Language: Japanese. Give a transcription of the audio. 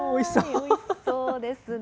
おいしそうですね。